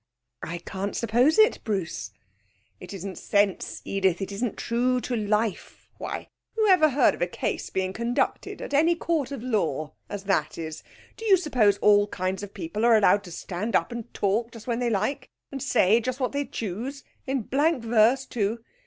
'I can't suppose it, Bruce.' 'It isn't sense, Edith; it isn't true to life. Why, who ever heard of a case being conducted in any Court of Law as that is? Do you suppose all kinds of people are allowed to stand up and talk just when they like, and say just what they choose in blank verse, too?